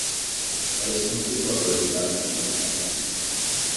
Parecia um flutuador de gás enferrujado.